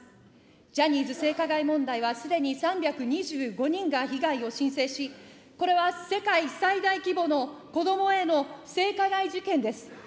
ジャニーズ性加害問題は、すでに３２５人が被害を申請し、これは世界最大規模の子どもへの性加害事件です。